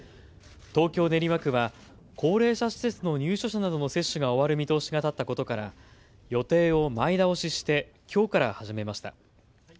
東京練馬区は高齢者施設の入所者などの接種が終わる見通しが立ったことから予定を前倒ししてきょうから始めました。